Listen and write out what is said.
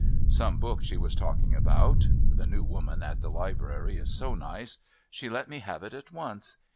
Some book she was talking about. "...the new woman at the Library is so nice. She let me have it at once.